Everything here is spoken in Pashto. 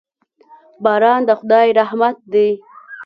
باران د خداي رحمت دي.